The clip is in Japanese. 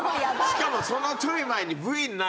しかもそのちょい前に。